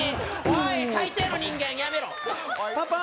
おい最低の人間やめろパパ